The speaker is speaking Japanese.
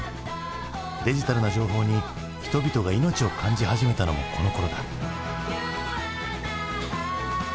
デジタルな情報に人々が命を感じ始めたのもこのころだ。